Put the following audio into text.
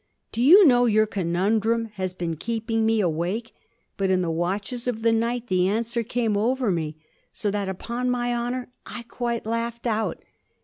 'Do you know your conundrum has been keeping me awake? But in the watches of the night the answer came over me so that, upon my honour, I quite laughed out.